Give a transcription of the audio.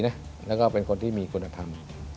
แล้วก็เป็นคนที่มีคุณธรรม